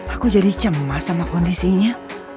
aku jadi cemas sama kondisinya